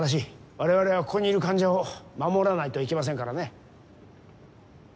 われわれはここにいる患者を守らないといけませんからね。